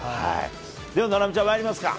では菜波ちゃん、まいります